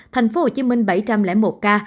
thành phố hồ chí minh bảy trăm linh một ca